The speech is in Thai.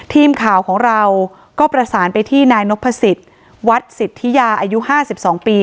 ทีมข่าวของเราก็ประสานไปที่นายนพสิทธิ์วัดสิทธิยาอายุ๕๒ปี